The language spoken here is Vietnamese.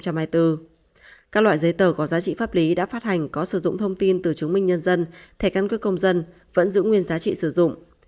các loại giấy tờ có giá trị pháp lý đã phát hành có sử dụng thông tin từ chứng minh nhân dân thẻ căn cước công dân vẫn giữ nguyên giá trị sử dụng